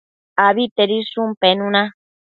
Abitedishun penuna